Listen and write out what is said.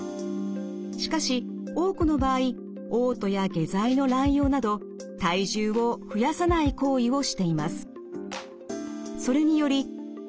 しかし多くの場合おう吐や下剤の乱用など体重を増やさない行為をしています。